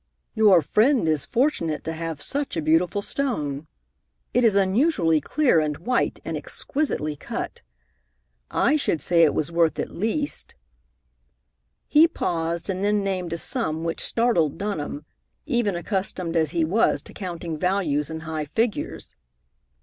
"Your friend is fortunate to have such a beautiful stone. It is unusually clear and white, and exquisitely cut. I should say it was worth at least" he paused and then named a sum which startled Dunham, even accustomed as he was to counting values in high figures.